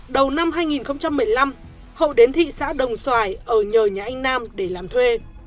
đầu năm hai nghìn một mươi năm hậu đến thị xã đồng xoài ở nhờ nhà anh nam để làm thuê